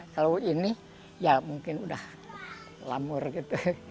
kalau ini ya mungkin udah lamur gitu